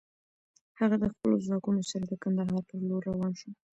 هغه د خپلو ځواکونو سره د کندهار پر لور روان شو.